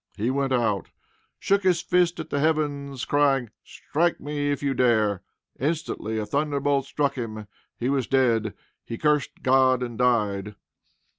He went out; shook his fist at the heavens, crying, "Strike, if you dare!" Instantly a thunder bolt struck him. He was dead. He cursed God, and died!